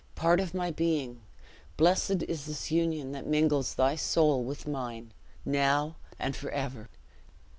part of my being! blessed is this union, that mingles thy soul with mine, now, and forever!"